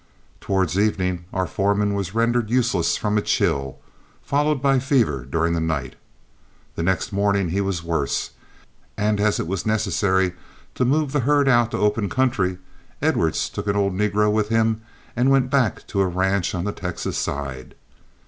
Towards evening our foreman was rendered useless from a chill, followed by fever during the night. The next morning he was worse, and as it was necessary to move the herd out to open country, Edwards took an old negro with him and went back to a ranch on the Texas side.